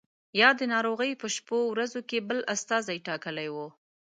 یا د ناروغۍ په شپو ورځو کې بل استازی ټاکلی وو.